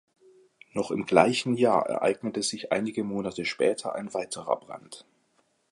Noch im gleichen Jahr ereignete sich einige Monate später ein weiterer Brand.